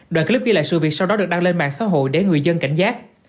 đoạn clip ghi lại sự việc sau đó được đăng lên mạng xã hội để người dân cảnh giác